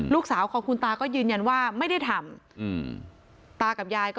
ลูกสาวของคุณตาก็ยืนยันว่าไม่ได้ทำ